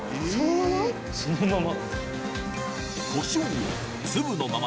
そのまま。